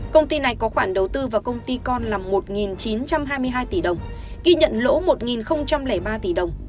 công ty này có khoản đầu tư vào công ty con là một chín trăm hai mươi hai tỷ đồng ghi nhận lỗ một ba tỷ đồng